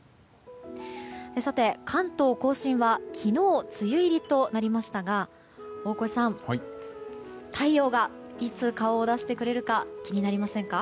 さて、関東・甲信は昨日、梅雨入りとなりましたが大越さん、太陽がいつ顔を出してくれるか気になりませんか？